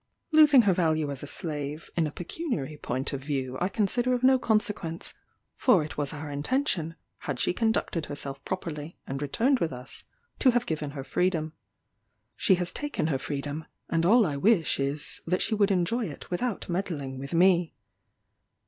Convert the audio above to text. ] "Losing her value as a slave in a pecuniary point of view I consider of no consequence; for it was our intention, had she conducted herself properly and returned with us, to have given her freedom. She has taken her freedom; and all I wish is, that she would enjoy it without meddling with me.